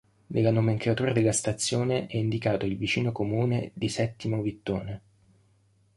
Nella nomenclatura della stazione è indicato il vicino comune di Settimo Vittone.